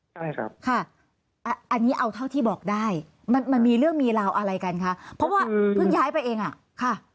ใช่ครับค่ะอันนี้เอาเท่าที่บอกได้มันมีเรื่องมีราวอะไรกันคะเพราะว่าเพิ่งย้ายไปเองอ่ะค่ะ